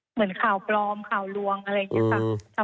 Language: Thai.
เหมือนข่าวปลอมข่าวลวงอะไรอย่างนี้ค่ะ